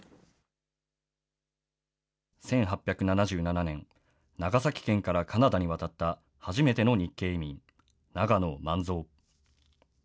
１８７７年、長崎県からカナダに渡った初めての日系移民、永野萬蔵。